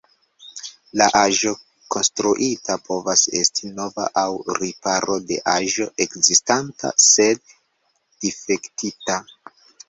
La aĵo konstruita povas esti nova aŭ riparo de aĵo ekzistanta sed difektita.